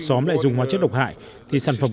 xóm lại dùng hóa chất độc hại thì sản phẩm